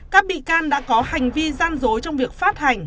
các bị can đã có hành vi gian dối trong việc phát hành